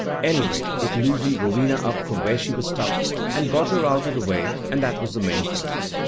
Anyway it loosened Rowena up from where she was stuck and got her out of the way and that was the main thing.